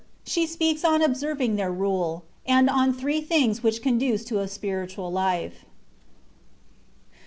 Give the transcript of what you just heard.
8HB BPBAKS ON OBSEBVINa THEIB BULB, AND ON THBEE THINGS WmCH CONDUCE TO A 8PIBITUAL LIFE.